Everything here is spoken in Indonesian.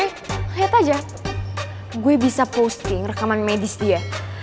lihat aja gue bisa posting rekaman medis dia